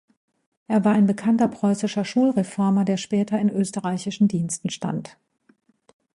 Er war ein bekannter preußischer Schulreformer, der später in österreichischen Diensten stand.